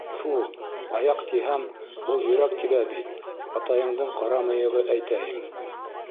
Тф-еү, аяҡ тиһәм, был йөрәк тибә бит, атайыңдың ҡара мыйығы, әйтәйем.